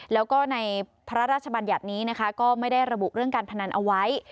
แล้วก็ในพระราชบัญญัตินี้นะคะก็ไม่ได้ระบุเรื่องการพนันเอาไว้